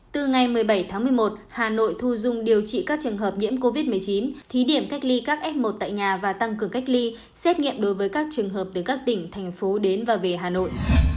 từ ngày một mươi bảy tháng một mươi một hà nội thu dung điều trị các trường hợp nhiễm covid một mươi chín thí điểm cách ly các f một tại nhà và tăng cường cách ly xét nghiệm đối với các trường hợp từ các tỉnh thành phố đến và về hà nội